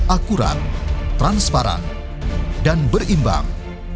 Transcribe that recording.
akurat transparan dan berimbang